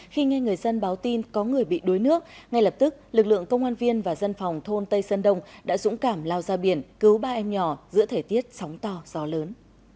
khi nghe người dân báo tin có người bị đuối nước ngay lập tức lực lượng công an viên và dân phòng thôn tây sơn đông đã dũng cảm lao ra biển cứu ba em nhỏ giữa thời tiết sóng to gió lớn